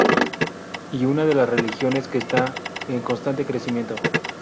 Y una de las religiones que está en constante crecimiento.